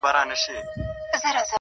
خپل سبا د نن په عمل جوړ کړئ؛